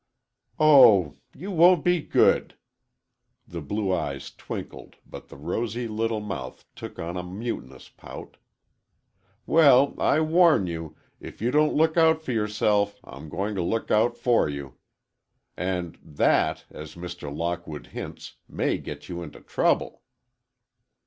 "Oh, you won't be good!" The blue eyes twinkled but the rosy little mouth took on a mutinous pout. "Well, I warn you, if you don't look out for yourself, I'm going to look out for you! And that, as Mr. Lockwood hints, may get you into trouble!"